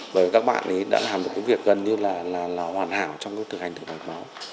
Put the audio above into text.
với các bạn đã làm được cái việc gần như là hoàn hảo trong cái thực hành đường bằng máu